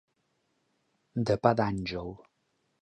De pa d'àngel.